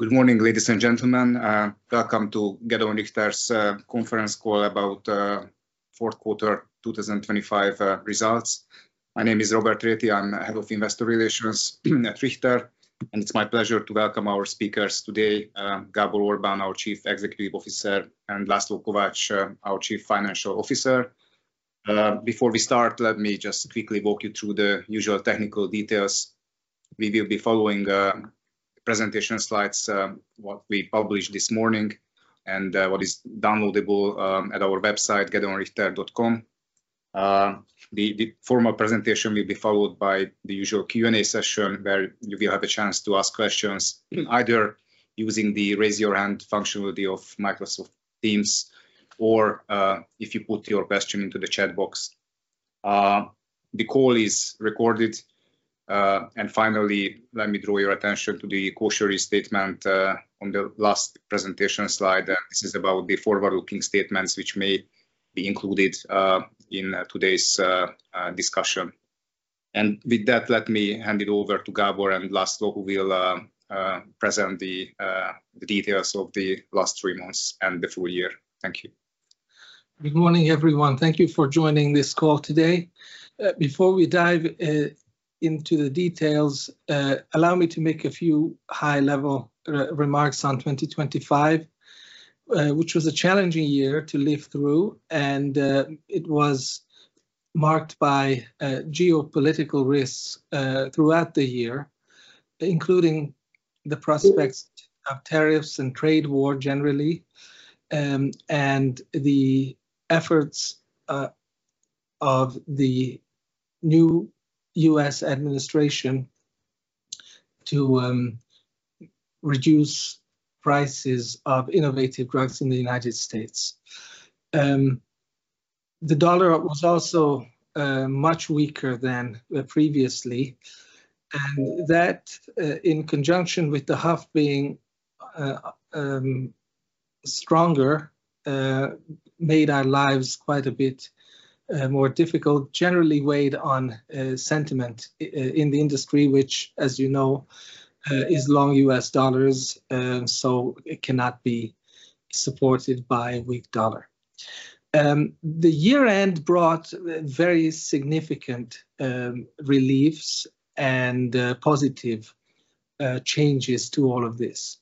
Good morning, ladies and gentlemen. Welcome to Gedeon Richter's conference call about fourth quarter 2025 results. My name is Róbert Réthy. I'm Head of Investor Relations at Richter, and it's my pleasure to welcome our speakers today, Gábor Orbán, our Chief Executive Officer, and László Kovács, our Chief Financial Officer. Before we start, let me just quickly walk you through the usual technical details. We will be following presentation slides, what we published this morning and what is downloadable at our website, gedeonrichter.com. The formal presentation will be followed by the usual Q&A session where you will have a chance to ask questions either using the raise your hand functionality of Microsoft Teams or if you put your question into the chat box. The call is recorded. Finally, let me draw your attention to the cautionary statement on the last presentation slide. This is about the forward-looking statements which may be included in today's discussion. With that, let me hand it over to Gábor and László, who will present the details of the last three months and the full year. Thank you. Good morning, everyone. Thank you for joining this call today. Before we dive into the details, allow me to make a few high-level remarks on 2025, which was a challenging year to live through, and it was marked by geopolitical risks throughout the year, including the prospects of tariffs and trade war generally, and the efforts of the new U.S. administration to reduce prices of innovative drugs in the United States. The dollar was also much weaker than previously, and that in conjunction with the HUF being stronger made our lives quite a bit more difficult, generally weighed on sentiment in the industry, which as you know, is long U.S. dollars, so it cannot be supported by weak dollar. The year-end brought very significant reliefs and positive changes to all of this.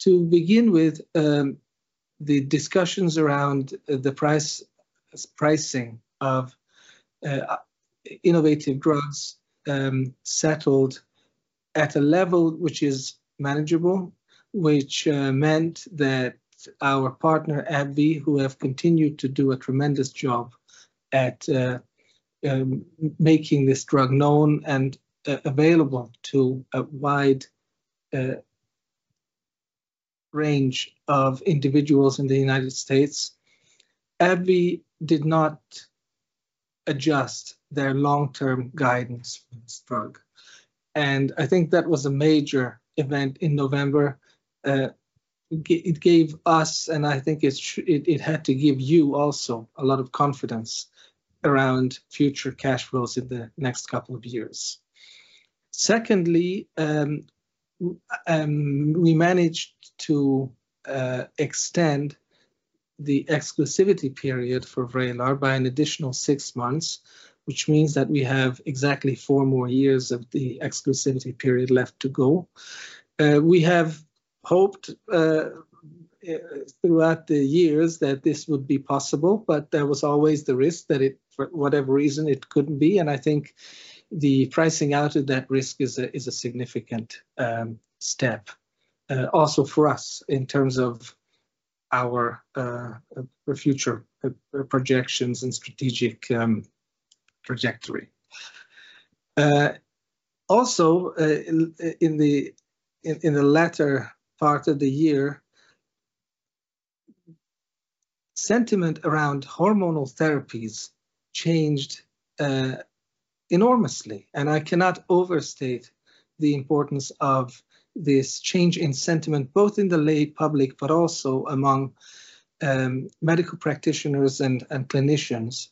To begin with, the discussions around the pricing of innovative drugs settled at a level which is manageable, which meant that our partner, AbbVie, who have continued to do a tremendous job at making this drug known and available to a wide range of individuals in the United State. AbbVie did not adjust their long-term guidance for this drug. I think that was a major event in November. It gave us, I think it had to give you also a lot of confidence around future cash flows in the next couple of years. Secondly, we managed to extend the exclusivity period for Vraylar by an additional six months, which means that we have exactly four more years of the exclusivity period left to go. We have hoped throughout the years that this would be possible, but there was always the risk that it, for whatever reason, it couldn't be. I think the pricing out of that risk is a significant step also for us in terms of our future projections and strategic trajectory. Also, in the latter part of the year, sentiment around hormonal therapies changed enormously, and I cannot overstate the importance of this change in sentiment, both in the lay public, but also among medical practitioners and clinicians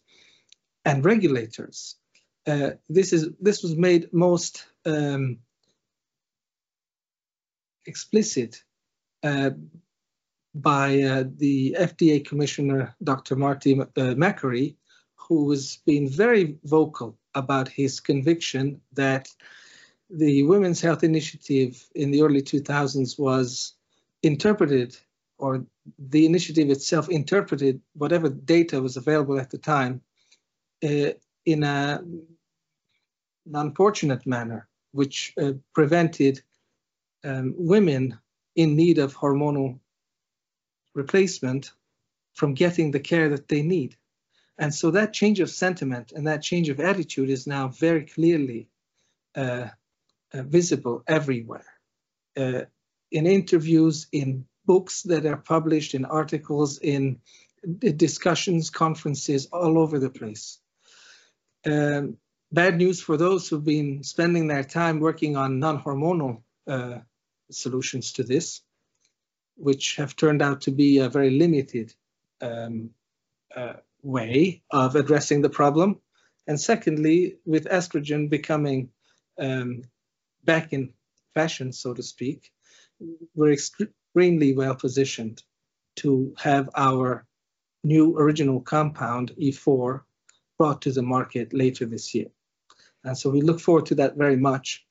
and regulators. This is, this was made most explicit by the FDA commissioner, Dr. Martin Makary, who's been very vocal about his conviction that the Women's Health Initiative in the early 2000s was interpreted, or the initiative itself interpreted whatever data was available at the time, in an unfortunate manner, which prevented women in need of hormonal replacement from getting the care that they need. That change of sentiment and that change of attitude is now very clearly visible everywhere, in interviews, in books that are published, in articles, in discussions, conferences all over the place. Bad news for those who've been spending their time working on non-hormonal solutions to this, which have turned out to be a very limited way of addressing the problem. Secondly, with estrogen becoming back in fashion, so to speak, we're extremely well positioned to have our new original compound, E4, brought to the market later this year. We look forward to that very much.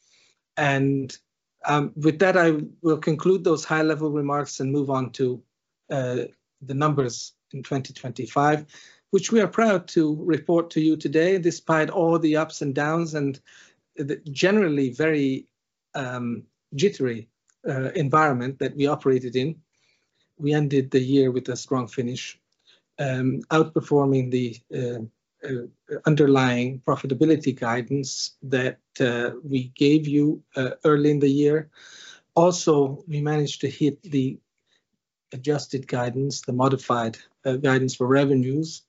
With that, I will conclude those high-level remarks and move on to the numbers in 2025, which we are proud to report to you today, despite all the ups and downs and the generally very jittery environment that we operated in. We ended the year with a strong finish, outperforming the underlying profitability guidance that we gave you early in the year. Also, we managed to hit the adjusted guidance, the modified guidance for revenues.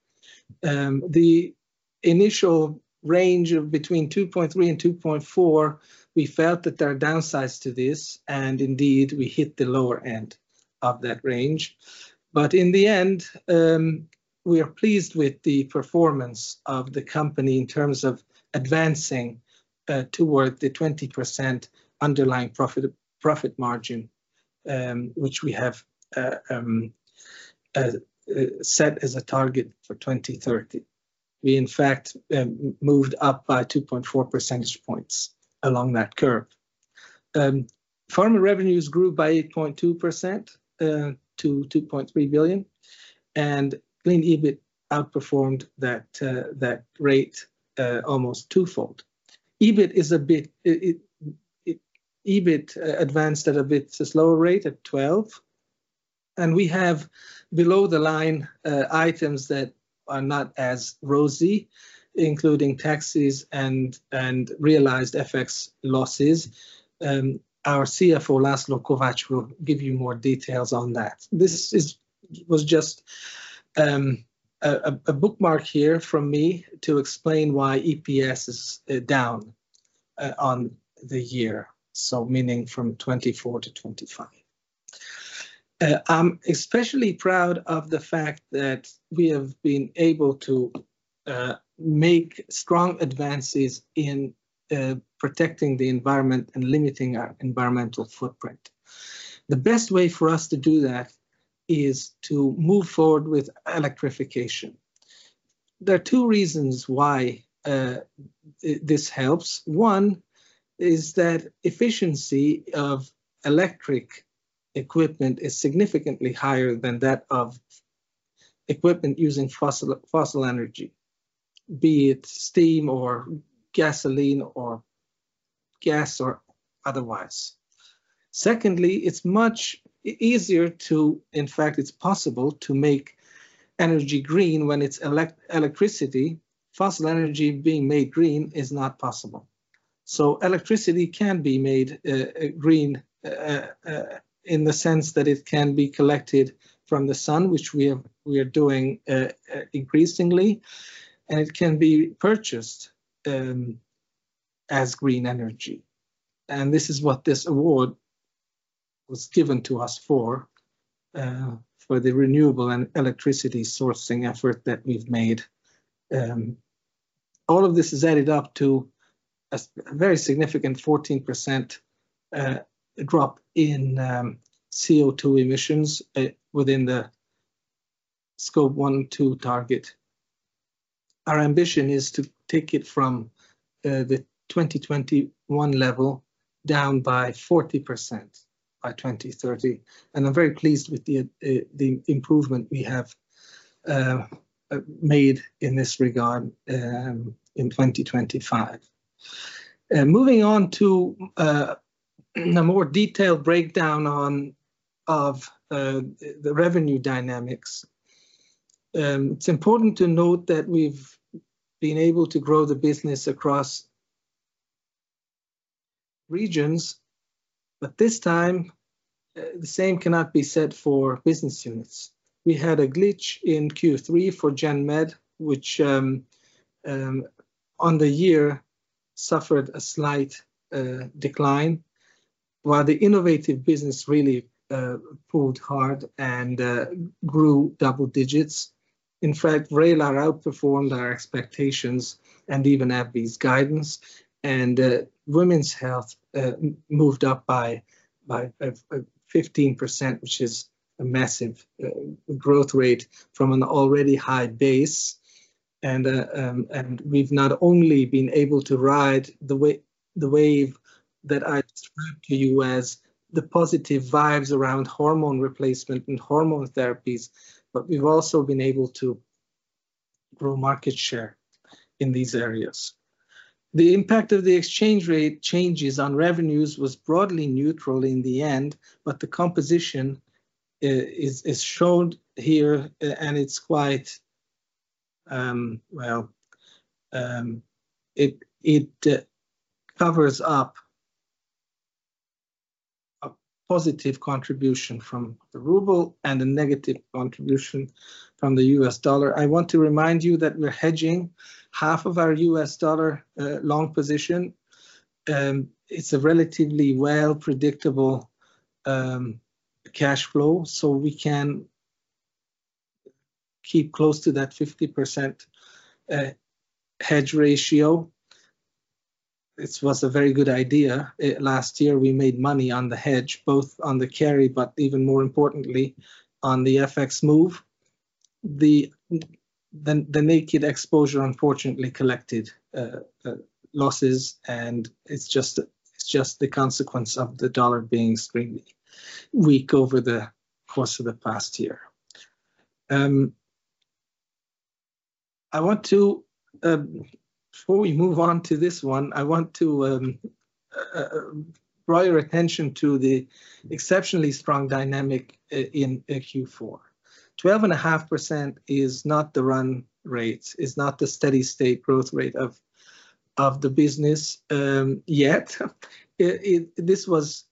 The initial range of between 2.3 billion and 2.4 billion, we felt that there are downsides to this, and indeed we hit the lower end of that range. In the end, we are pleased with the performance of the company in terms of advancing toward the 20% underlying profit margin, which we have set as a target for 2030. We in fact, moved up by 2.4 percentage points along that curve. Pharma revenues grew by 8.2% to 2.3 billion, and clean EBIT outperformed that rate almost twofold. EBIT advanced at a bit slower rate at 12%. We have below the line items that are not as rosy, including taxes and realized FX losses. Our CFO, László Kovács, will give you more details on that. This was just a bookmark here from me to explain why EPS is down on the year, so meaning from 2024-2025. I'm especially proud of the fact that we have been able to make strong advances in protecting the environment and limiting our environmental footprint. The best way for us to do that is to move forward with electrification. There are two reasons why this helps. One is that efficiency of electric equipment is significantly higher than that of equipment using fossil energy, be it steam or gasoline or gas or otherwise. Secondly, it's much easier to, in fact, it's possible to make energy green when it's electricity. Fossil energy being made green is not possible. Electricity can be made green in the sense that it can be collected from the sun, which we are doing increasingly, and it can be purchased as green energy. This is what this award was given to us for the renewable and electricity sourcing effort that we've made. All of this has added up to a very significant 14% drop in CO2 emissions within the Scope 1 and Scope 2 target. Our ambition is to take it from the 2021 level down by 40% by 2030, and I'm very pleased with the improvement we have made in this regard in 2025. Moving on to a more detailed breakdown of the revenue dynamics. It's important to note that we've been able to grow the business across regions, but this time, the same cannot be said for business units. We had a glitch in Q3 for Gen Med, which, on the year suffered a slight decline, while the innovative business really pulled hard and grew double digits. In fact, Vraylar outperformed our expectations and even AB's guidance. Women's Health moved up by 15%, which is a massive growth rate from an already high base. We've not only been able to ride the wave that I described to you as the positive vibes around hormone replacement and hormone therapies, but we've also been able to grow market share in these areas. The impact of the exchange rate changes on revenues was broadly neutral in the end, the composition is shown here, and it's quite well, it covers up a positive contribution from the ruble and a negative contribution from the U.S. dollar. I want to remind you that we're hedging half of our U.S. dollar long position. It's a relatively well predictable cash flow, we can keep close to that 50% hedge ratio. It was a very good idea. Last year, we made money on the hedge, both on the carry, even more importantly, on the FX move. The naked exposure unfortunately collected losses, it's just the consequence of the dollar being extremely weak over the course of the past year. I want to, before we move on to this one, I want to draw your attention to the exceptionally strong dynamic in Q4. 12.5% is not the run rate, is not the steady state growth rate of the business yet. This was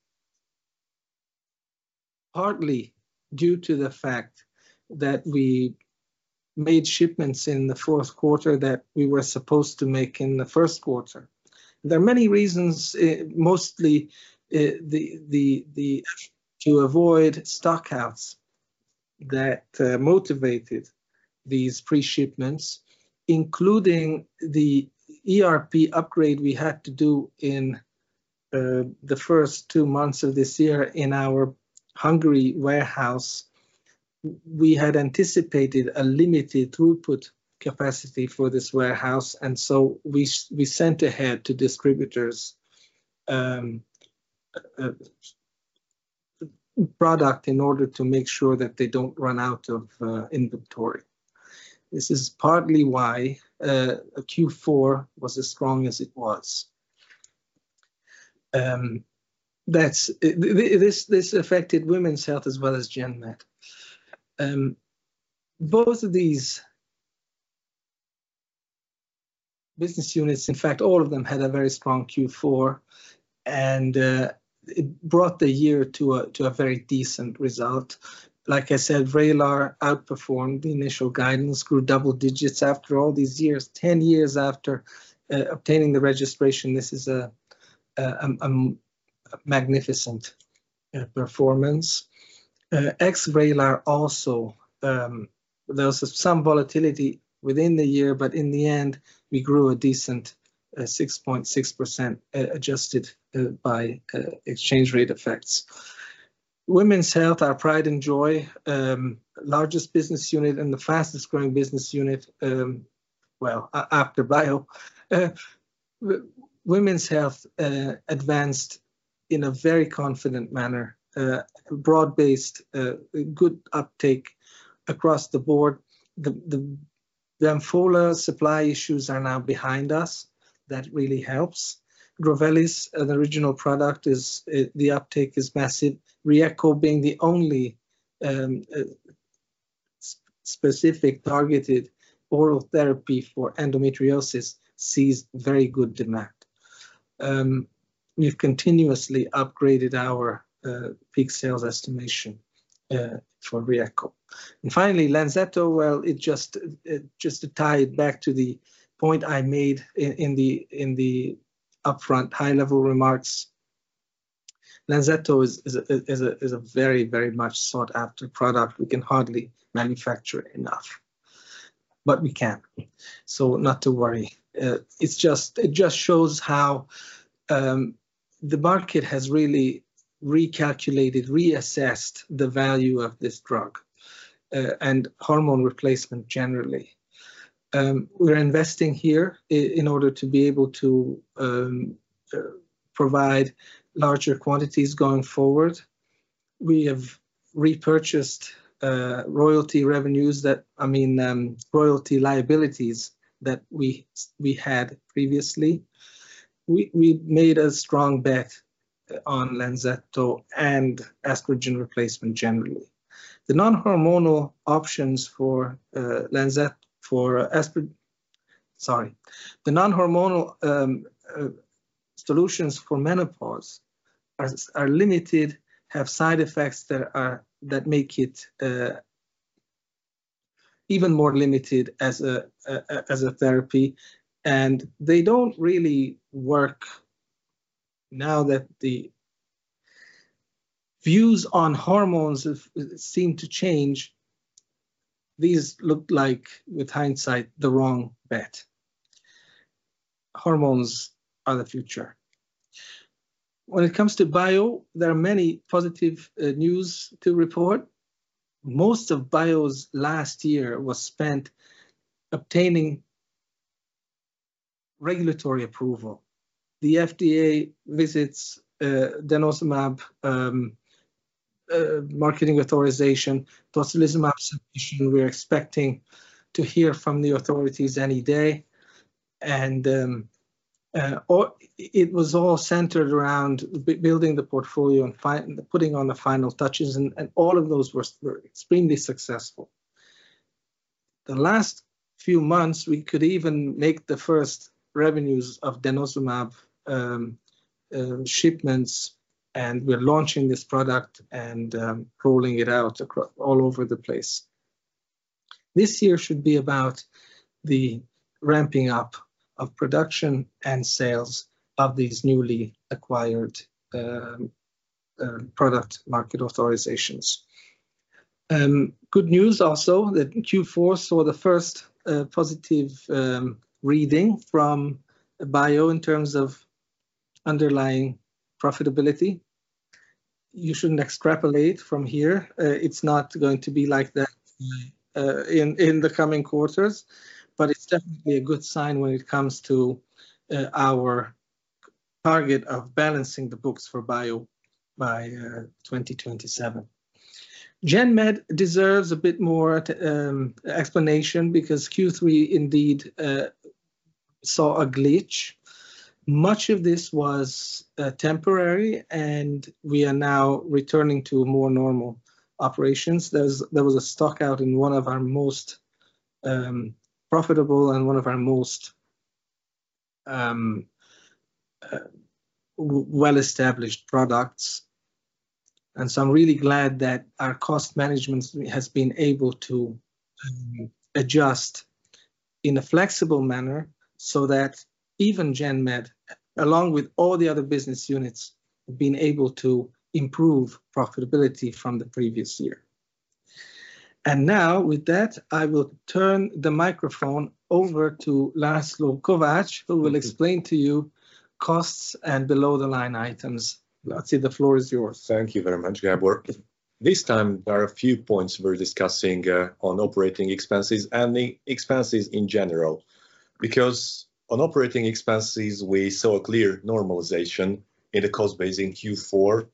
partly due to the fact that we made shipments in the fourth quarter that we were supposed to make in the first quarter. There are many reasons, mostly to avoid stock outs that motivated these pre-shipments, including the ERP upgrade we had to do in the first two months of this year in our Hungary warehouse. We had anticipated a limited throughput capacity for this warehouse, and so we sent ahead to distributors, a product in order to make sure that they don't run out of inventory. This is partly why Q4 was as strong as it was. This affected Women's Health as well as Gen Med. Both of these business units, in fact all of them, had a very strong Q4 and it brought the year to a very decent result. Like I said, Vraylar outperformed the initial guidance, grew double digits after all these years. 10 years after obtaining the registration, this is a magnificent performance. Ex Vraylar also, there was some volatility within the year, in the end, we grew a decent 6.6% adjusted by exchange rate effects. Women's Health, our pride and joy, largest business unit and the fastest growing business unit, well, after bio. Women's Health advanced in a very confident manner. Broad-based, good uptake across the board. The ampoule supply issues are now behind us. That really helps. Drovelis, an original product, the uptake is massive. Ryeqo being the only specific targeted oral therapy for endometriosis sees very good demand. We've continuously upgraded our peak sales estimation for Ryeqo. Finally, Lenzetto, well, it just to tie it back to the point I made in the, in the upfront high-level remarks, Lenzetto is a very, very much sought-after product. We can hardly manufacture enough. We can, so not to worry. It's just, it just shows how the market has really recalculated, reassessed the value of this drug and hormone replacement generally. We're investing here in order to be able to provide larger quantities going forward. We have repurchased royalty revenues that I mean, royalty liabilities that we had previously. We made a strong bet on Lenzetto and estrogen replacement generally. The non-hormonal options for [lenzetto]. Sorry. The non-hormonal solutions for menopause are limited, have side effects that make it even more limited as a therapy, and they don't really work now that the views on hormones have, seem to change. These look like, with hindsight, the wrong bet. Hormones are the future. When it comes to bio, there are many positive news to report. Most of bio's last year was spent obtaining regulatory approval. The FDA visits, denosumab marketing authorization, tocilizumab submission. We're expecting to hear from the authorities any day and it was all centered around building the portfolio and putting on the final touches and all of those were extremely successful. The last few months, we could even make the first revenues of denosumab shipments, and we're launching this product and rolling it out all over the place. This year should be about the ramping up of production and sales of these newly acquired product market authorizations. Good news also that Q4 saw the first positive reading from Bio in terms of underlying profitability. You shouldn't extrapolate from here. It's not going to be like that in the coming quarters, but it's definitely a good sign when it comes to our target of balancing the books for Bio by 2027. GenMed deserves a bit more explanation because Q3 indeed saw a glitch. Much of this was temporary, and we are now returning to more normal operations. There was a stock out in one of our most profitable and one of our most well-established products. I'm really glad that our cost management has been able to adjust in a flexible manner so that even GenMed, along with all the other business units, have been able to improve profitability from the previous year. Now, with that, I will turn the microphone over to László Kovács, who will explain to you costs and below-the-line items. László, the floor is yours. Thank you very much, Gábor. This time there are a few points we're discussing on operating expenses and the expenses in general. On operating expenses, we saw a clear normalization in the cost base in Q4,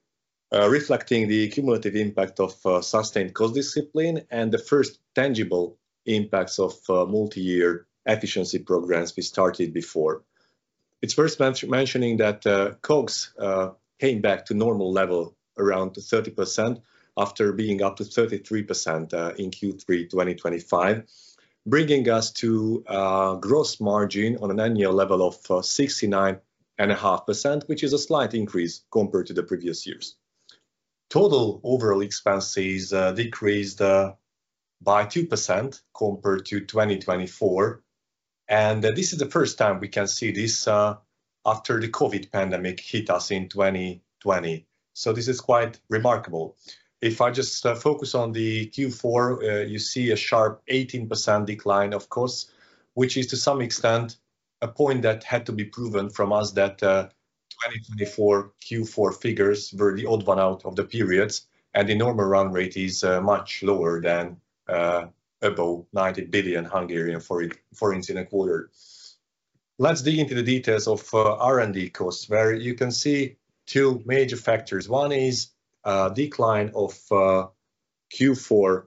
reflecting the cumulative impact of sustained cost discipline and the first tangible impacts of multi-year efficiency programs we started before. It's worth mentioning that COGS came back to normal level around 30% after being up to 33% in Q3 2025, bringing us to a gross margin on an annual level of 69.5%, which is a slight increase compared to the previous years. Total overall expenses decreased by 2% compared to 2024, this is the first time we can see this after the COVID pandemic hit us in 2020. This is quite remarkable. If I just focus on the Q4, you see a sharp 18% decline of costs, which is to some extent a point that had to be proven from us that 2024 Q4 figures were the odd one out of the periods, and the normal run rate is much lower than above 90 billion foreign incident quarter. Let's dig into the details of R&D costs, where you can see two major factors. One is decline of Q4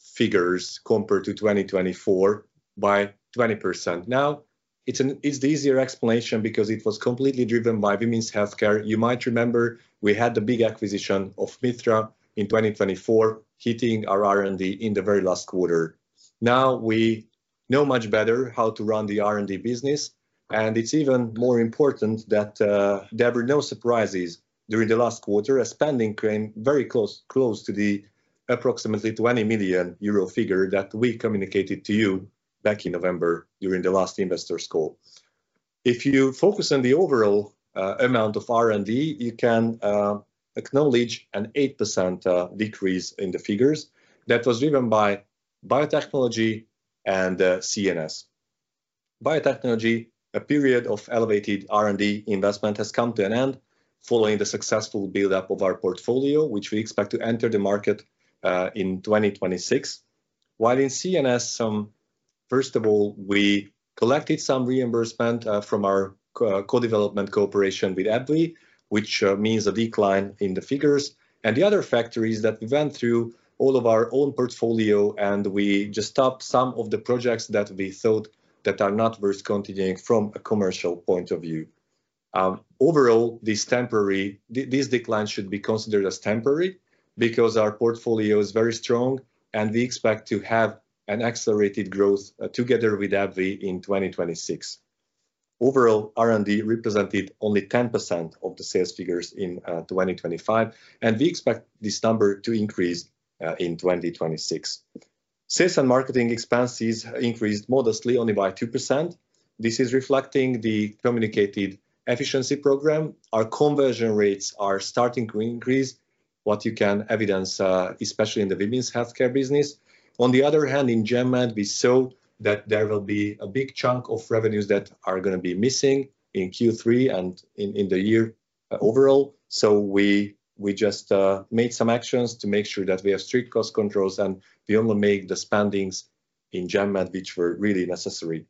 figures compared to 2024 by 20%. Now, it's the easier explanation because it was completely driven by Women's Healthcare. You might remember we had the big acquisition of Mithra in 2024, hitting our R&D in the very last quarter. Now we know much better how to run the R&D business, and it's even more important that there were no surprises during the last quarter as spending came very close to the approximately 20 million euro figure that we communicated to you back in November during the last investors call. If you focus on the overall amount of R&D, you can acknowledge an 8% decrease in the figures that was driven by biotechnology and CNS. Biotechnology, a period of elevated R&D investment has come to an end following the successful build-up of our portfolio, which we expect to enter the market in 2026. While in CNS, first of all, we collected some reimbursement from our co-development cooperation with AbbVie, which means a decline in the figures. The other factor is that we went through all of our own portfolio, and we just stopped some of the projects that we thought that are not worth continuing from a commercial point of view. This decline should be considered as temporary because our portfolio is very strong and we expect to have an accelerated growth together with AbbVie in 2026. R&D represented only 10% of the sales figures in 2025, and we expect this number to increase in 2026. Sales and marketing expenses increased modestly only by 2%. This is reflecting the communicated efficiency program. Our conversion rates are starting to increase, what you can evidence, especially in the Women's Healthcare business. On the other hand, in GenMed, we saw that there will be a big chunk of revenues that are gonna be missing in Q3 and in the year overall. We just made some actions to make sure that we have strict cost controls, and we only make the spendings in GenMed which were really necessary.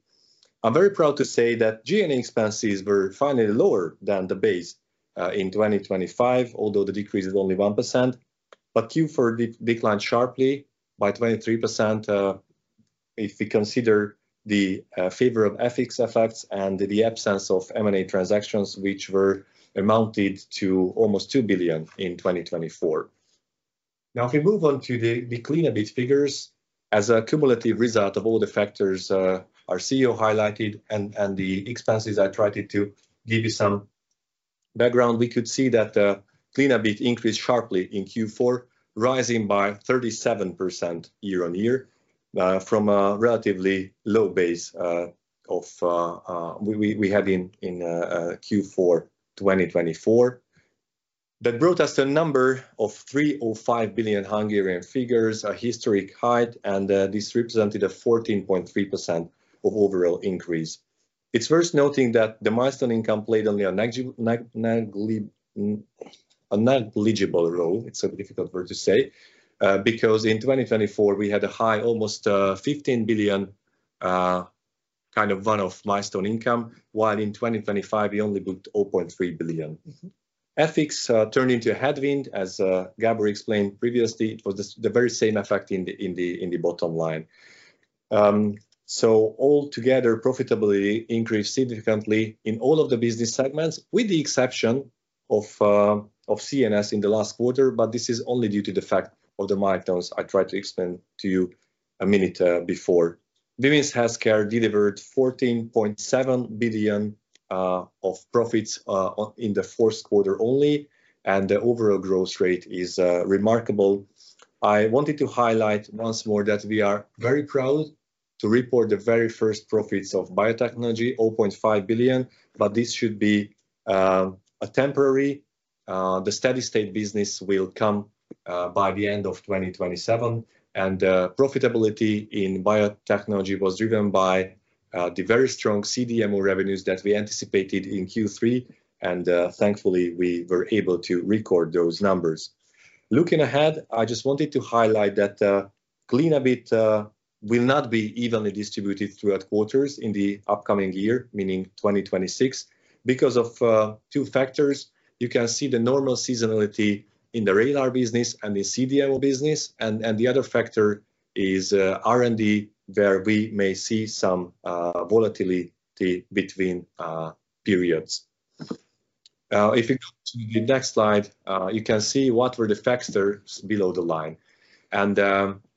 I'm very proud to say that G&A expenses were finally lower than the base in 2025, although the decrease is only 1%. Q4 declined sharply by 23%, if we consider the favor of FX effects and the absence of M&A transactions, which were amounted to almost 2 billion in 2024. If we move on to the clean EBIT figures, as a cumulative result of all the factors our CEO highlighted and the expenses I tried to give you some background, we could see that the clean EBIT increased sharply in Q4, rising by 37% year-on-year, from a relatively low base we had in Q4 2024. That brought us to a number of 305 billion, a historic height, and this represented a 14.3% of overall increase. It's worth noting that the milestone income played only a negligible role, it's a difficult word to say, because in 2024 we had a high almost 15 billion kind of one-off milestone income, while in 2025 we only booked 0.3 billion. FX turned into a headwind as Gábor explained previously. It was this the very same effect in the bottom line. All together profitably increased significantly in all of the business segments with the exception of CNS in the last quarter, but this is only due to the fact of the milestones I tried to explain to you a minute before. The Women's Healthcare delivered 14.7 billion of profits on in the fourth quarter only, the overall growth rate is remarkable. I wanted to highlight once more that we are very proud to report the very first profits of biotechnology, 0.5 billion. This should be a temporary. The steady state business will come by the end of 2027. Profitability in biotechnology was driven by the very strong CDMO revenues that we anticipated in Q3, and thankfully we were able to record those numbers. Looking ahead, I just wanted to highlight that clean EBIT will not be evenly distributed throughout quarters in the upcoming year, meaning 2026, because of two factors. You can see the normal seasonality in the radar business and the CDMO business and the other factor is R&D where we may see some volatility between periods. If you go to the next slide, you can see what were the factors below the line.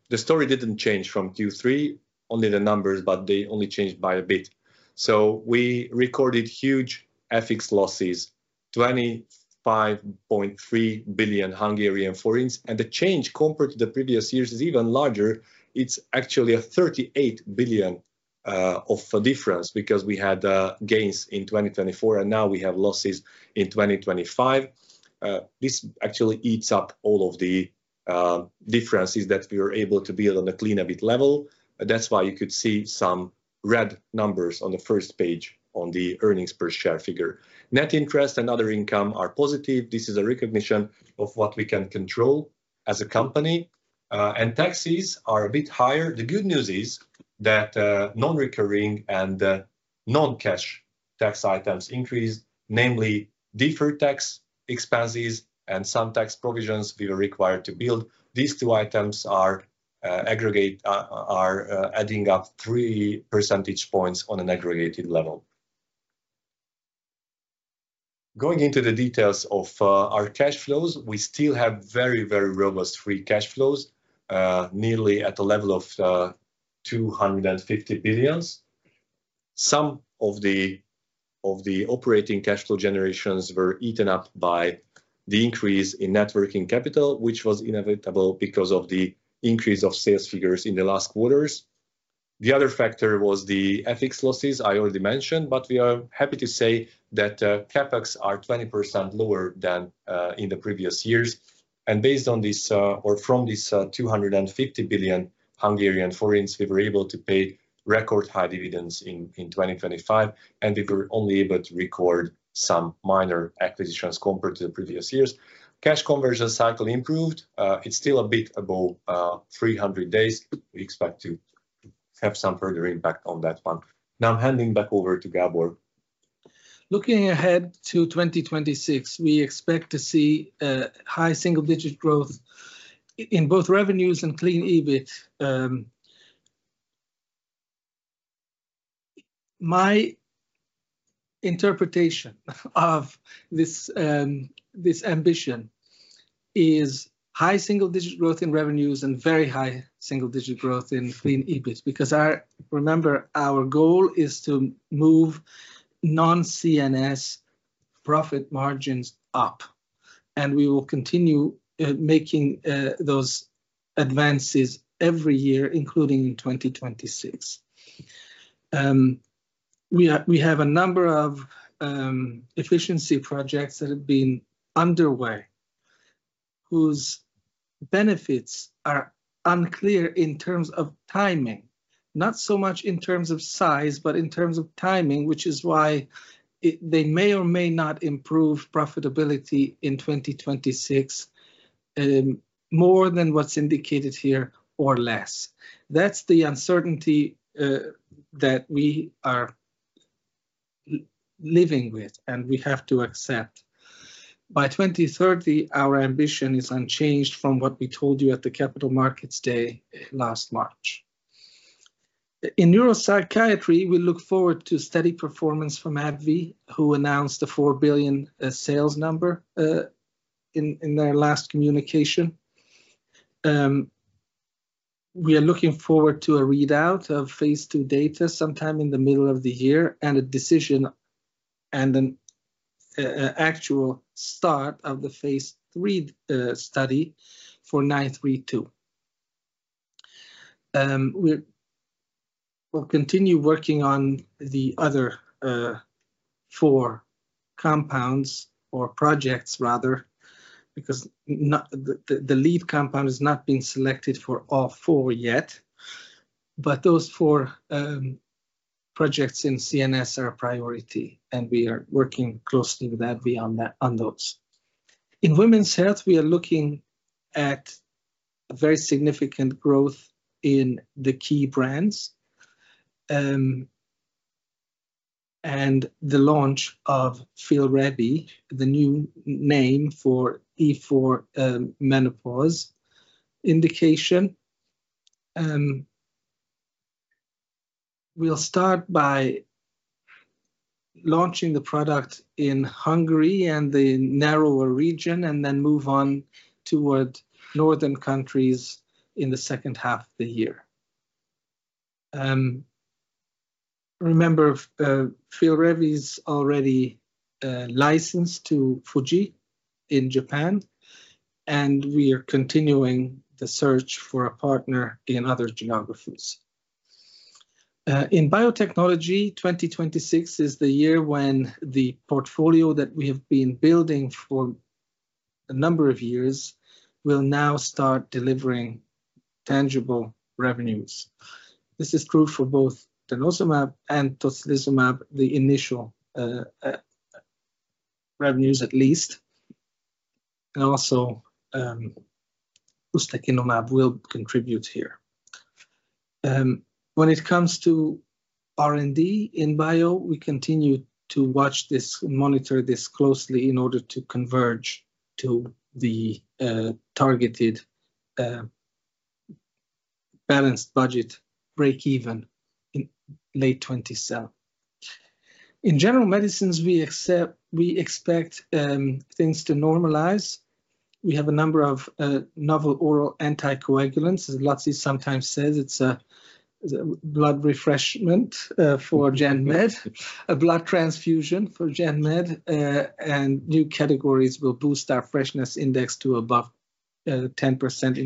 The story didn't change from Q3, only the numbers, but they only changed by a bit. We recorded huge FX losses, 25.3 billion Hungarian forints, and the change compared to the previous years is even larger. It's actually a 38 billion of a difference because we had gains in 2024, and now we have losses in 2025. This actually eats up all of the differences that we were able to build on a clean EBIT level. That's why you could see some red numbers on the first page on the earnings per share figure. Net interest and other income are positive. This is a recognition of what we can control as a company. Taxes are a bit higher. The good news is that non-recurring and non-cash tax items increased, namely deferred tax expenses and some tax provisions we were required to build. These two items are aggregate, are adding up 3 percentage points on an aggregated level. Going into the details of our cash flows, we still have very, very robust free cash flows, nearly at the level of 250 billion. Some of the operating cash flow generations were eaten up by the increase in net working capital, which was inevitable because of the increase of sales figures in the last quarters. The other factor was the FX losses I already mentioned, but we are happy to say that CapEx are 20% lower than in the previous years. Based on this, or from this, 250 billion, we were able to pay record high dividends in 2025, and we were only able to record some minor acquisitions compared to the previous years. Cash conversion cycle improved. It's still a bit above 300 days. We expect to have some further impact on that one. I'm handing back over to Gábor. Looking ahead to 2026, we expect to see a high single-digit growth in both revenues and clean EBIT. My interpretation of this ambition is high single-digit growth in revenues and very high single-digit growth in clean EBIT. Remember our goal is to move non-CNS profit margins up, and we will continue making those advances every year, including in 2026. We have a number of efficiency projects that have been underway whose benefits are unclear in terms of timing. Not so much in terms of size, but in terms of timing, which is why they may or may not improve profitability in 2026, more than what's indicated here or less. That's the uncertainty that we are living with and we have to accept. By 2030, our ambition is unchanged from what we told you at the Capital Markets Day last March. In neuropsychiatry, we look forward to steady performance from AbbVie, who announced the 4 billion sales number in their last communication. We are looking forward to a readout of phase II data sometime in the middle of the year, and an actual start of the phase III study for RGH-932. We'll continue working on the other four compounds or projects rather, because not the lead compound has not been selected for all four yet. Those four projects in CNS are a priority, and we are working closely with that beyond that on those. In Women's Health, we are looking at very significant growth in the key brands. The launch of Feel Revie, the new name for E4, menopause indication. We'll start by launching the product in Hungary and the narrower region, and then move on toward northern countries in the H2 of the year. Remember, Feel Revie is already licensed to Fuji in Japan, and we are continuing the search for a partner in other geographies. In biotechnology, 2026 is the year when the portfolio that we have been building for a number of years will now start delivering tangible revenues. This is true for both denosumab and tocilizumab, the initial revenues at least. Also, ustekinumab will contribute here. When it comes to R&D in bio, we continue to watch this, monitor this closely in order to converge to the targeted, balanced budget break-even in late 2027. In General Medicines, we expect things to normalize. We have a number of novel oral anticoagulants. As Laci sometimes says, it's a blood transfusion for GenMed. New categories will boost our freshness index to above 10%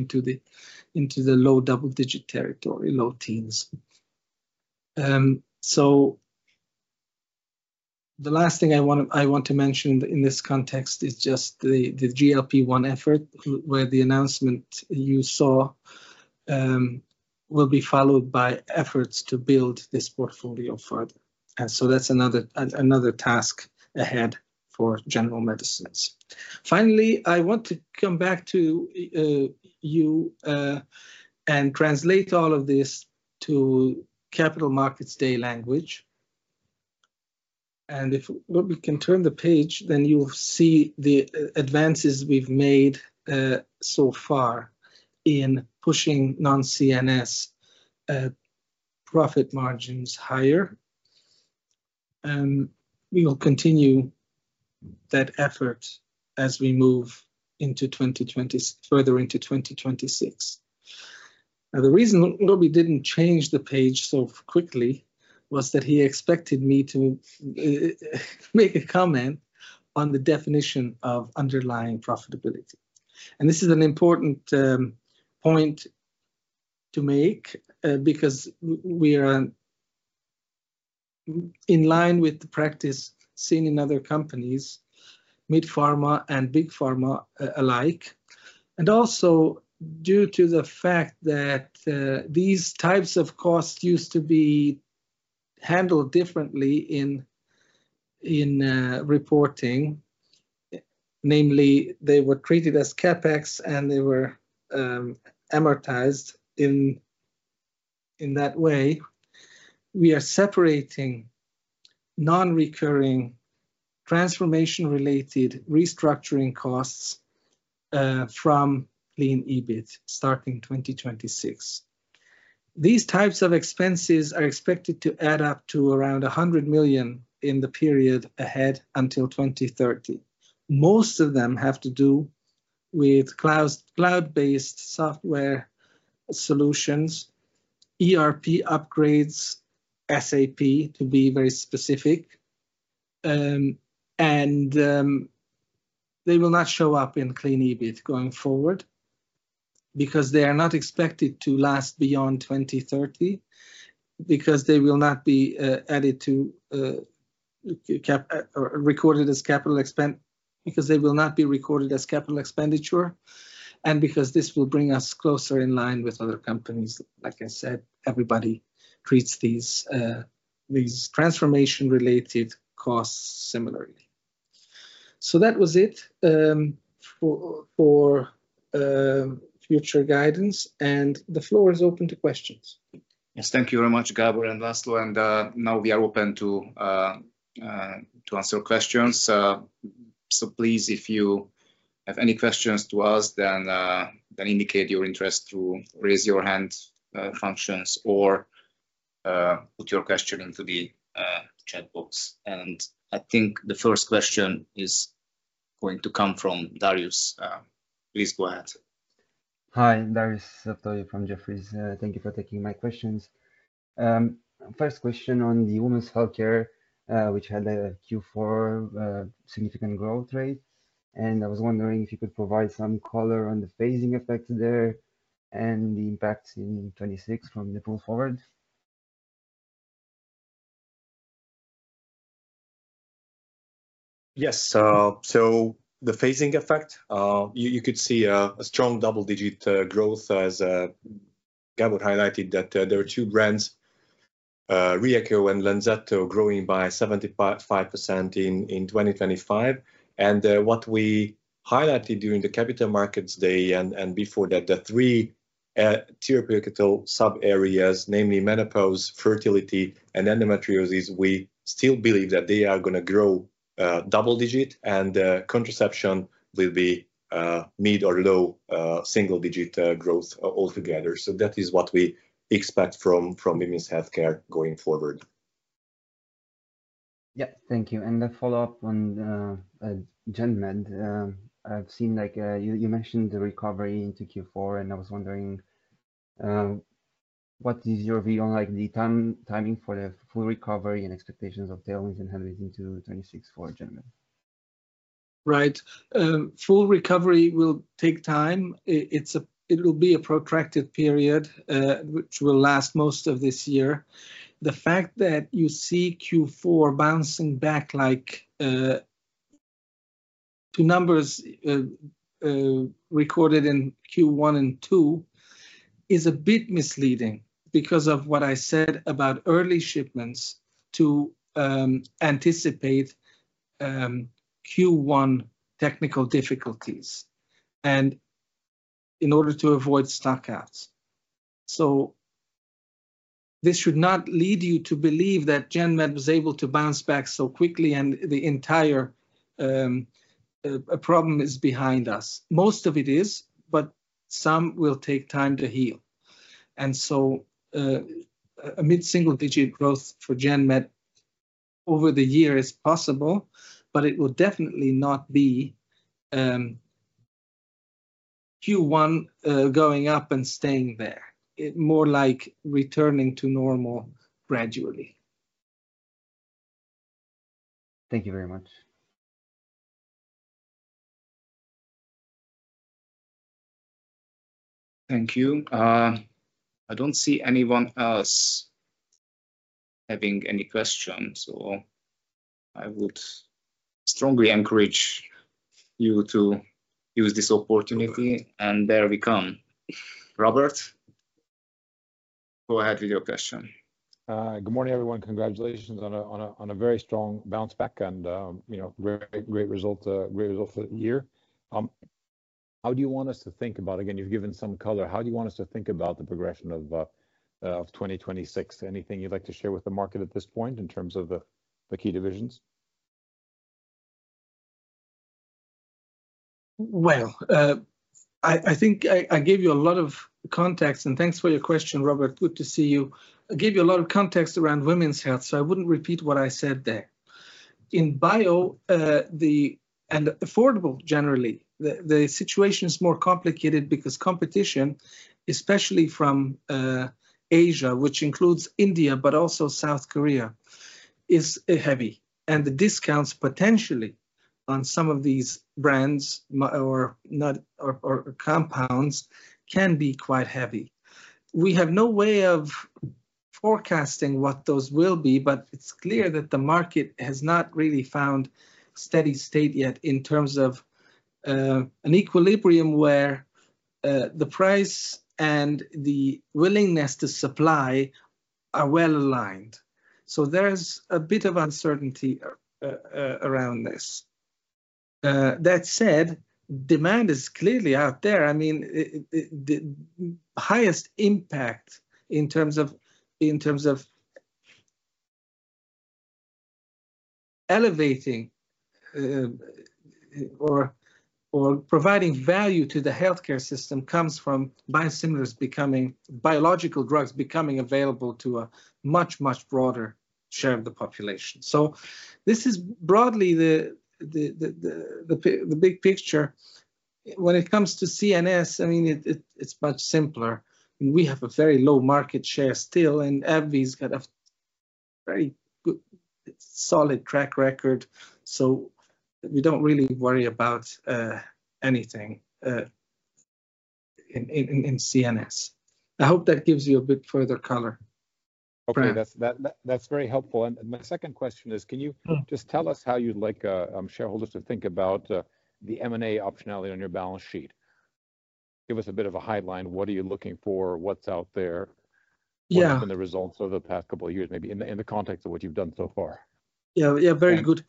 into the low double-digit territory, low teens. The last thing I want to mention in this context is just the GLP-1 effort, where the announcement you saw will be followed by efforts to build this portfolio further. That's another task ahead for General Medicines. Finally, I want to come back to you and translate all of this to Capital Markets Day language. If Róbert can turn the page, you'll see the advances we've made so far in pushing non-CNS profit margins higher. We will continue that effort as we move further into 2026. The reason Róbert didn't change the page so quickly was that he expected me to make a comment on the definition of underlying profitability. This is an important point to make because we're in line with the practice seen in other companies, mid-pharma and big pharma alike. Also due to the fact that these types of costs used to be handled differently in reporting. Namely, they were treated as CapEx, and they were amortized in that way. We are separating non-recurring transformation-related restructuring costs from clean EBIT starting 2026. These types of expenses are expected to add up to around 100 million in the period ahead until 2030. Most of them have to do with cloud-based software solutions, ERP upgrades, SAP to be very specific. They will not show up in clean EBIT going forward because they are not expected to last beyond 2030, because they will not be recorded as capital expenditure, and because this will bring us closer in line with other companies. Like I said, everybody treats these transformation-related costs similarly. That was it for future guidance, the floor is open to questions. Yes, thank you very much, Gábor and László. Now we are open to answer questions. Please, if you have any questions to ask, then indicate your interest to raise your hand functions or put your question into the chat box. I think the first question is going to come from Darius. Please go ahead. Hi, Darius Saftoiu from Jefferies. Thank you for taking my questions. First question on the women's healthcare, which had a Q4 significant growth rate, and I was wondering if you could provide some color on the phasing effect there and the impact in 2026 from the pull forward. Yes. The phasing effect, you could see a strong double-digit growth as Gábor highlighted that there are two brands, Ryeqo and Lenzetto growing by 75% in 2025. What we highlighted during the Capital Markets Day and before that, the three therapeutic sub areas, namely menopause, fertility, and endometriosis, we still believe that they are gonna grow double digit and contraception will be mid or low single digit growth altogether. That is what we expect from women's healthcare going forward. Yeah. Thank you. A follow-up on GenMed. I've seen like you mentioned the recovery into Q4, and I was wondering what is your view on, like, the timing for the full recovery and expectations of tailwinds and headwinds into 2026 for GenMed? Right. Full recovery will take time. It will be a protracted period, which will last most of this year. The fact that you see Q4 bouncing back to numbers recorded in Q1 and Q2 is a bit misleading because of what I said about early shipments to anticipate Q1 technical difficulties and in order to avoid stock-outs. This should not lead you to believe that GenMed was able to bounce back so quickly and the entire problem is behind us. Most of it is, but some will take time to heal. A mid-single-digit growth for GenMed over the year is possible, but it will definitely not be Q1 going up and staying there. It will be more like returning to normal gradually. Thank you very much. Thank you. I don't see anyone else having any questions, so I would strongly encourage you to use this opportunity. There we come. Róbert, go ahead with your question. Good morning, everyone. Congratulations on a very strong bounce back and, you know, great result for the year. Again, you've given some color. How do you want us to think about the progression of 2026? Anything you'd like to share with the market at this point in terms of the key divisions? I think I gave you a lot of context, and thanks for your question, Róbert. Good to see you. I gave you a lot of context around women's health. I wouldn't repeat what I said there. In bio, and affordable generally, the situation is more complicated because competition, especially from Asia, which includes India, but also South Korea, is heavy. The discounts potentially on some of these brands or compounds can be quite heavy. We have no way of forecasting what those will be. It's clear that the market has not really found steady state yet in terms of an equilibrium where the price and the willingness to supply are well aligned. There's a bit of uncertainty around this. That said, demand is clearly out there. I mean, the highest impact in terms of elevating, or providing value to the healthcare system comes from biological drugs becoming available to a much broader share of the population. This is broadly the big picture. When it comes to CNS, I mean, it's much simpler, we have a very low market share still, AbbVie's got a very good, solid track record, we don't really worry about anything in CNS. I hope that gives you a bit further color. Okay. Bram. That's very helpful. My second question is. Mm. just tell us how you'd like shareholders to think about the M&A optionality on your balance sheet? Give us a bit of a headline. What are you looking for? What's out there? Yeah. What have been the results over the past couple of years, maybe in the context of what you've done so far? Yeah, yeah, very good.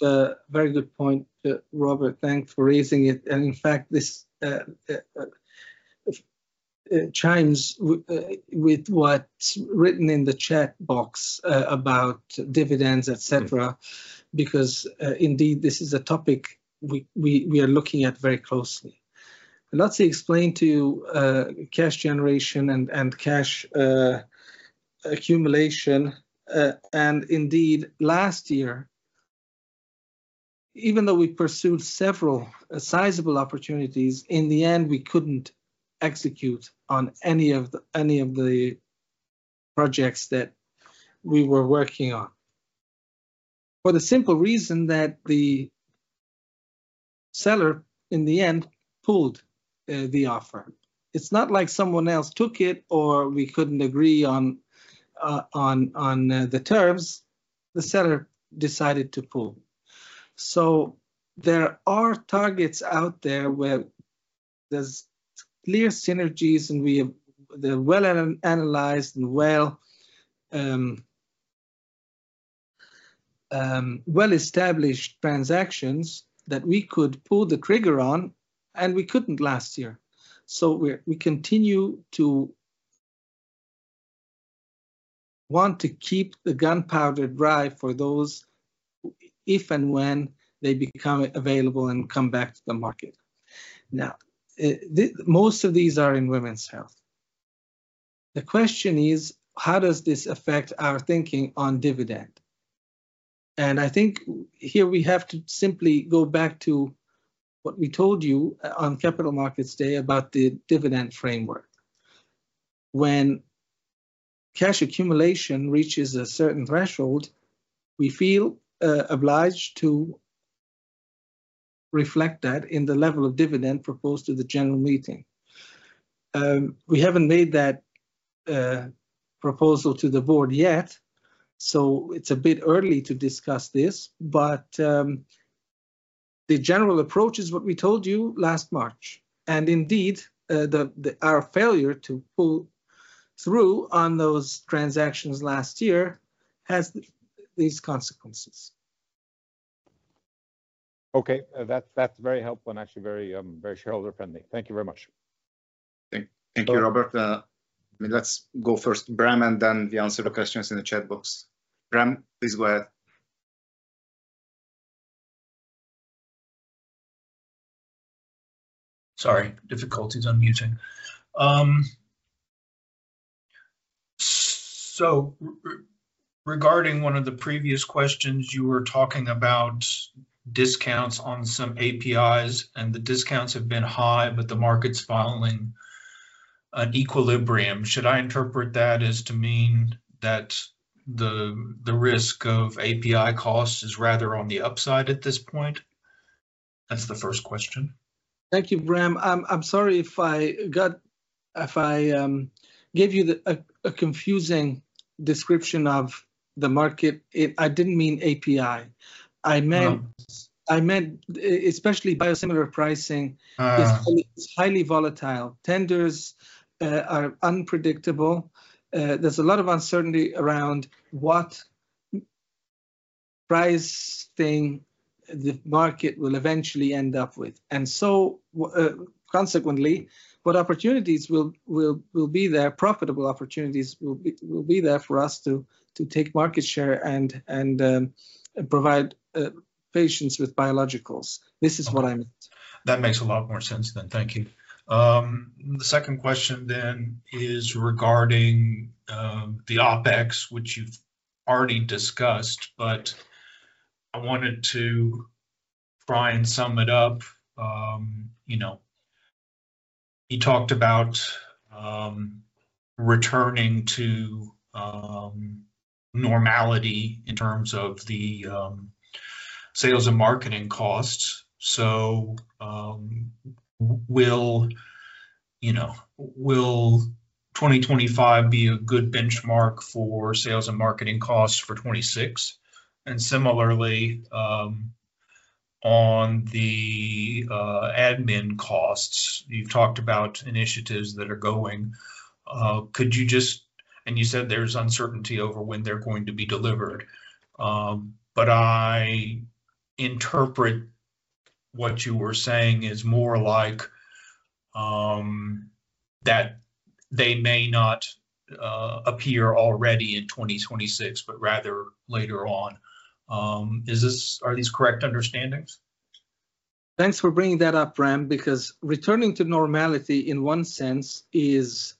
Very good point, Róbert. Thanks for raising it. In fact, this chimes with what's written in the chat box about dividends, et cetera. Mm. Because indeed, this is a topic we are looking at very closely. Laci explained to you cash generation and cash accumulation. Indeed, last year, even though we pursued several sizable opportunities, in the end we couldn't execute on any of the projects that we were working on. For the simple reason that the seller in the end pulled the offer. It's not like someone else took it or we couldn't agree on the terms. The seller decided to pull. There are targets out there where there's clear synergies and we have well analyzed and well-established transactions that we could pull the trigger on, and we couldn't last year. We continue to want to keep the gunpowder dry for those if and when they become available and come back to the market. Now, most of these are in Women's Health. The question is, how does this affect our thinking on dividend? I think here we have to simply go back to what we told you on Capital Markets Day about the dividend framework. When cash accumulation reaches a certain threshold, we feel obliged to reflect that in the level of dividend proposed to the general meeting. We haven't made that proposal to the board yet, so it's a bit early to discuss this, but the general approach is what we told you last March. Indeed, the our failure to pull through on those transactions last year has these consequences. Okay. That's very helpful and actually very, very shareholder friendly. Thank you very much. Thank you, Robert. I mean, let's go first Bram, and then we answer the questions in the chat box. Bram, please go ahead. Sorry, difficulties unmuting. Regarding one of the previous questions, you were talking about discounts on some APIs, and the discounts have been high, but the market's following an equilibrium. Should I interpret that as to mean that the risk of API costs is rather on the upside at this point? That's the first question. Thank you, Bram. I'm sorry if I gave you a confusing description of the market. I didn't mean API. No. I meant especially biosimilar pricing. Ah. Is highly volatile. Tenders are unpredictable. There's a lot of uncertainty around what pricing the market will eventually end up with. Consequently, what opportunities will be there, profitable opportunities will be there for us to take market share and provide patients with biologicals. This is what I meant. That makes a lot more sense then. Thank you. The second question is regarding the OpEx, which you've already discussed, but I wanted to try and sum it up. You know, you talked about returning to normality in terms of the sales and marketing costs. Will, you know, 2025 be a good benchmark for sales and marketing costs for 2026? Similarly, on the admin costs, you've talked about initiatives that are going. You said there's uncertainty over when they're going to be delivered. I interpret what you were saying as more like that they may not appear already in 2026, but rather later on. Are these correct understandings? Thanks for bringing that up, Bram, because returning to normality in one sense is,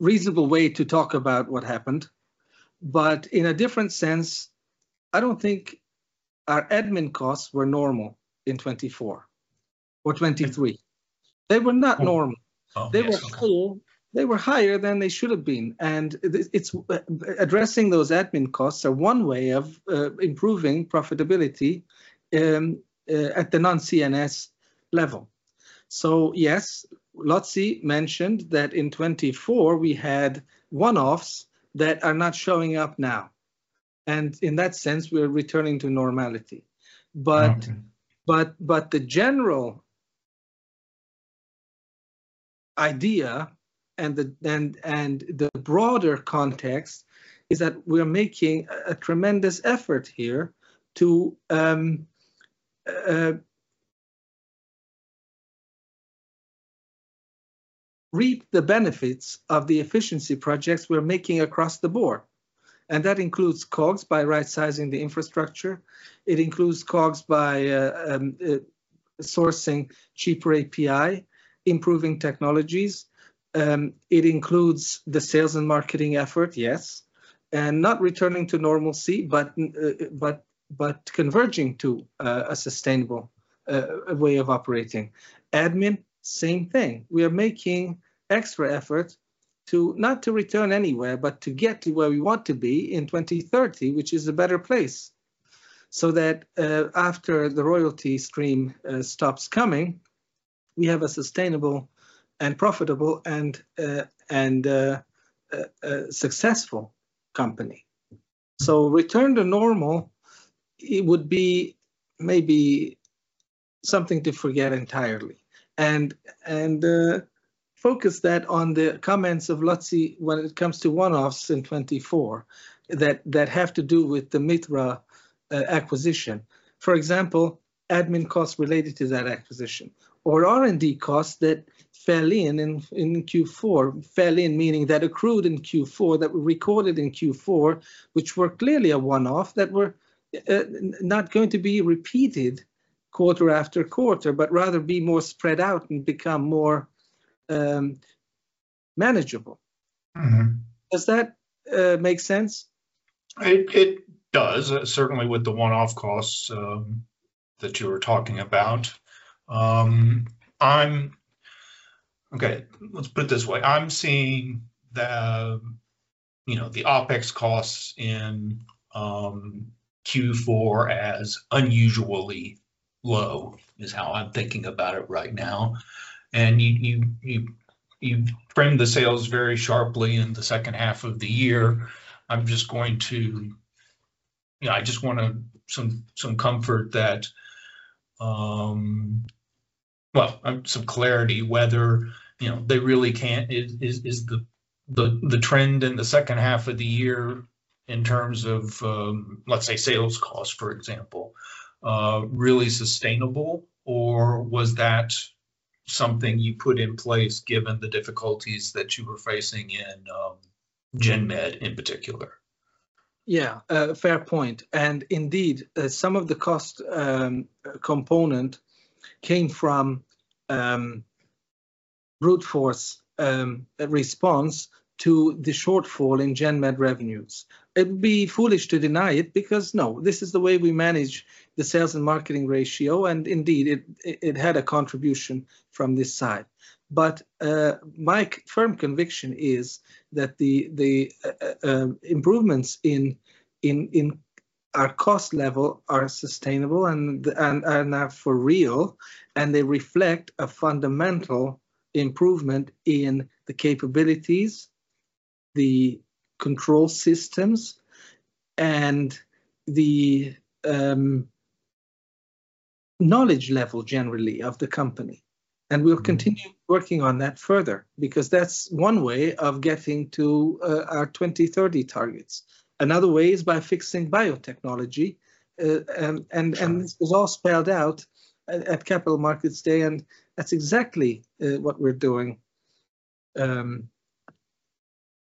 reasonable way to talk about what happened. In a different sense, I don't think our admin costs were normal in 2024 or 2023. They were not normal. Oh, yes. Okay. They were full. They were higher than they should have been, and it's addressing those admin costs are one way of improving profitability at the non-CNS level. Yes, Laci mentioned that in 2024 we had one-offs that are not showing up now, and in that sense, we are returning to normality. Okay. But the general idea and the broader context is that we are making a tremendous effort here to reap the benefits of the efficiency projects we're making across the board, and that includes COGS by rightsizing the infrastructure. It includes COGS by sourcing cheaper API, improving technologies. It includes the sales and marketing effort, yes. Not returning to normalcy, but converging to a sustainable way of operating. Admin, same thing. We are making extra effort to not to return anywhere, but to get to where we want to be in 2030, which is a better place, so that after the royalty stream stops coming, we have a sustainable and profitable and successful company. Return to normal, it would be maybe something to forget entirely. Focus that on the comments of Laci when it comes to one-offs in 2024 that have to do with the Mithra acquisition. For example, admin costs related to that acquisition. R&D costs that fell in Q4. Fell in meaning that accrued in Q4, that were recorded in Q4, which were clearly a one-off, that were not going to be repeated quarter-after-quarter, but rather be more spread out and become more manageable. Mm-hmm. Does that make sense? It, it does, certainly with the one-off costs that you were talking about. Okay, let's put it this way. I'm seeing the, you know, the OpEx costs in Q4 as unusually low, is how I'm thinking about it right now. You've framed the sales very sharply in the H2 of the year. You know, I just want some comfort that, well, some clarity whether, you know, they really can, is the trend in the H2 of the year in terms of, let's say sales cost, for example, really sustainable, or was that something you put in place given the difficulties that you were facing? Mm. GenMed in particular? Yeah. Fair point. Indeed, some of the cost component came from brute force response to the shortfall in GenMed revenues. It would be foolish to deny it because no, this is the way we manage the sales and marketing ratio, and indeed, it had a contribution from this side. My firm conviction is that the improvements in our cost level are sustainable, and are for real, and they reflect a fundamental improvement in the capabilities, the control systems, and the knowledge level generally of the company. Mm. We'll continue working on that further because that's one way of getting to our 2030 targets. Another way is by fixing biotechnology. Sure. And this was all spelled out at Capital Markets Day, and that's exactly what we're doing in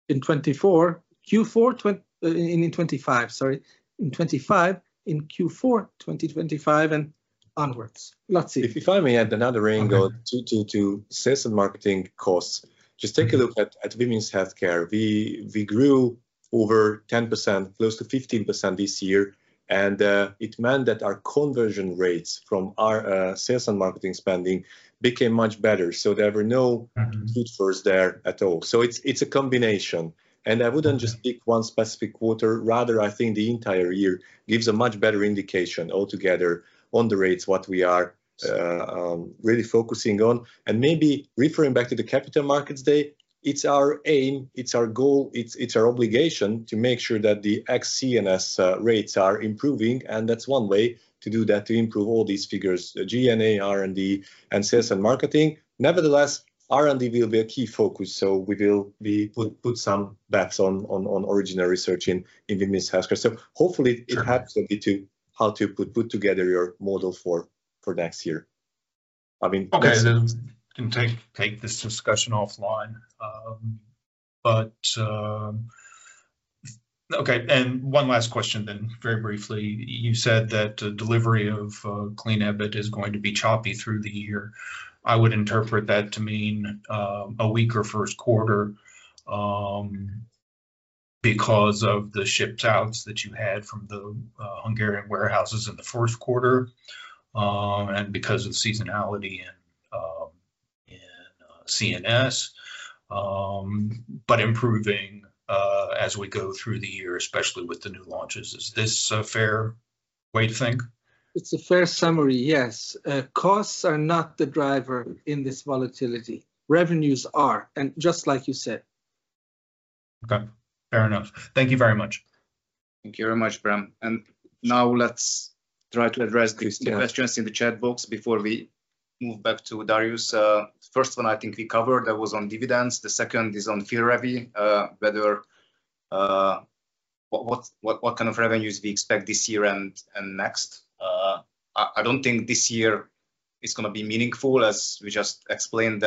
2024. Q4 in 2025, sorry, in 2025, in Q4 2025 and onwards. Laci. If you finally add another angle. Okay. To sales and marketing costs. Just take a look at Women's Healthcare. We grew over 10%, close to 15% this year, it meant that our conversion rates from our sales and marketing spending became much better. Mm. Brute force there at all. It's, it's a combination. I wouldn't just. Okay. Pick one specific quarter, rather I think the entire year gives a much better indication altogether on the rates what we are really focusing on. Maybe referring back to the Capital Markets Day, it's our aim, it's our goal, it's our obligation to make sure that the ex-CNS rates are improving, and that's one way to do that, to improve all these figures, the G&A, R&D, and sales and marketing. Nevertheless, R&D will be a key focus, so we will be put some bets on original research in women's healthcare. Sure. Helps a bit to how to put together your model for next year. Okay, can take this discussion offline. Okay. One last question very briefly. You said that the delivery of clean EBIT is going to be choppy through the year. I would interpret that to mean a weaker first quarter, because of the ship-outs that you had from the Hungarian warehouses in the first quarter, and because of seasonality in CNS, but improving as we go through the year, especially with the new launches. Is this a fair way to think? It's a fair summary, yes. Costs are not the driver in this volatility. Revenues are, and just like you said. Okay. Fair enough. Thank you very much. Thank you very much, Bram. Now let's try to address. Please, yeah. Questions in the chat box before we move back to Darius. First one I think we covered, that was on dividends. The second is on Feel Revie, whether what kind of revenues we expect this year and next. I don't think this year is gonna be meaningful, as we just explained.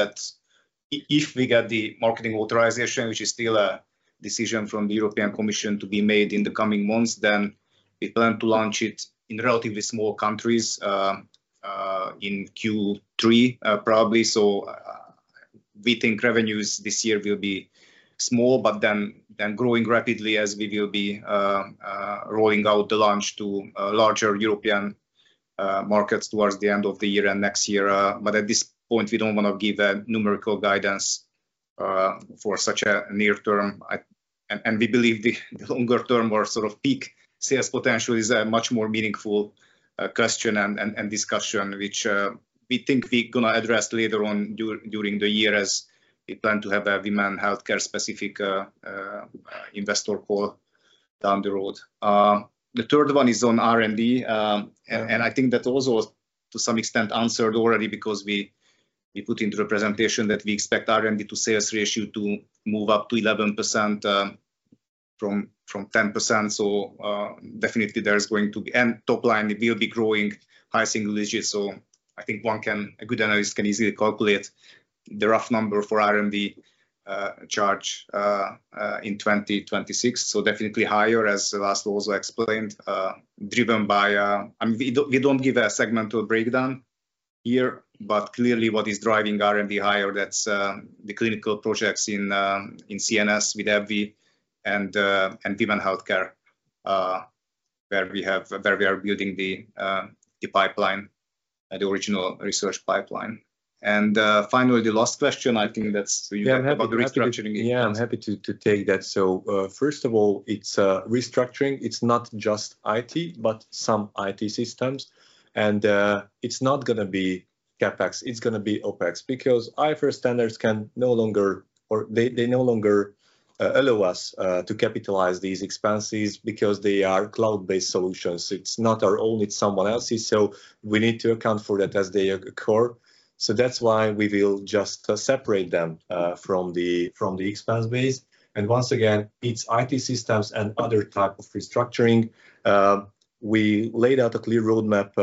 If we get the marketing authorization, which is still a decision from the European Commission to be made in the coming months, then we plan to launch it in relatively small countries in Q3, probably. We think revenues this year will be small, but then growing rapidly as we will be rolling out the launch to larger European markets towards the end of the year and next year. At this point, we don't wanna give a numerical guidance for such a near term. We believe the longer term or sort of peak sales potential is a much more meaningful question and discussion which we think we're gonna address later on during the year as we plan to have a Women's Health specific investor call down the road. The third one is on R&D. I think that also to some extent answered already because we put into the presentation that we expect R&D to sales ratio to move up to 11% from 10%. Top line, it will be growing high single digits, so I think a good analyst can easily calculate the rough number for R&D charge in 2026. Definitely higher as László also explained. I mean, we don't give a segmental breakdown here, but clearly what is driving R&D higher, that's the clinical projects in CNS with AbbVie and Women's Healthcare, where we are building the pipeline, the original research pipeline. Finally the last question, I think that's. Yeah, I'm happy to. About the restructuring. Yeah, I'm happy to take that. First of all, it's restructuring. It's not just IT, but some IT systems. It's not gonna be CapEx, it's gonna be OpEx because IFRS standards no longer allow us to capitalize these expenses because they are cloud-based solutions. It's not our own, it's someone else's, we need to account for that as they occur. That's why we will just separate them from the expense base. Once again, it's IT systems and other type of restructuring. We laid out a clear roadmap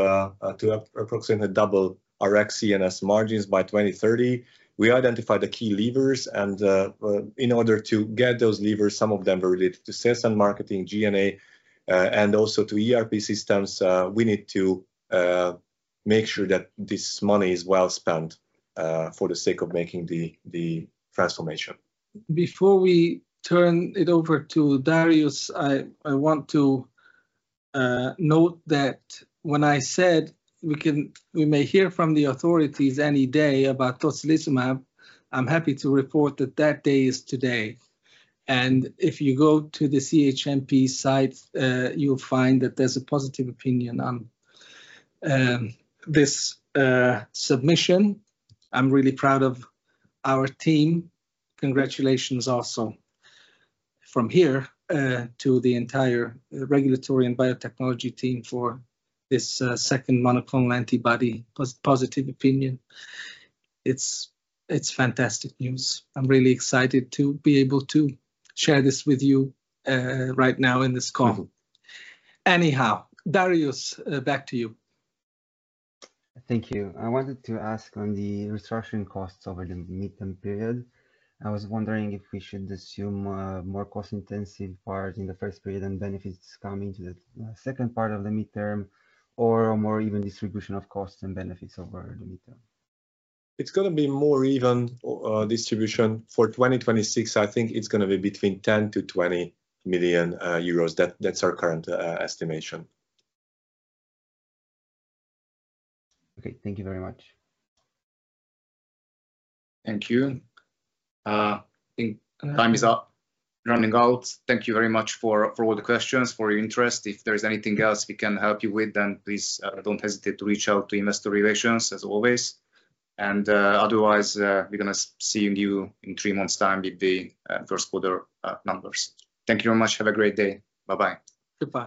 to approximately double CNS margins by 2030. We identified the key levers, in order to get those levers, some of them were related to sales and marketing, G&A, and also to ERP systems. We need to make sure that this money is well spent for the sake of making the transformation. Before we turn it over to Darius, I want to note that when I said we may hear from the authorities any day about tocilizumab, I'm happy to report that that day is today. If you go to the CHMP site, you'll find that there's a positive opinion on this submission. I'm really proud of our team. Congratulations also from here to the entire regulatory and biotechnology team for this second monoclonal antibody positive opinion. It's fantastic news. I'm really excited to be able to share this with you right now in this call. Anyhow, Darius, back to you. Thank you. I wanted to ask on the restructuring costs over the midterm period. I was wondering if we should assume more cost-intensive parts in the first period and benefits coming to the second part of the midterm, or a more even distribution of costs and benefits over the midterm. It's gonna be more even distribution. For 2026, I think it's gonna be between 10 million-20 million euros. That's our current estimation. Okay. Thank you very much. Thank you. I think time is running out. Thank you very much for all the questions, for your interest. If there is anything else we can help you with, please don't hesitate to reach out to investor relations as always. Otherwise, we're gonna see you in three months' time with the first quarter numbers. Thank you very much. Have a great day. Bye-bye. Goodbye.